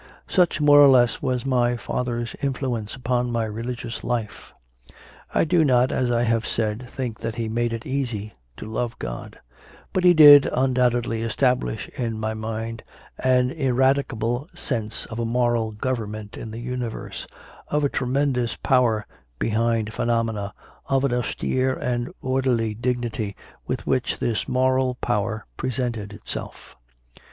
Such, more or less, was my father s influence upon my religious life. I do not, as I have said, think that he made it easy to love God; but he did, undoubtedly, establish in my mind an ineradicable sense of a Moral Government in the universe, of a tremendous Power behind phenomena, of an austere and orderly dignity with which this Moral Power presented itself.